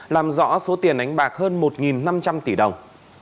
làm rõ số tiền đánh bạc hơn một năm trăm linh tỷ đồng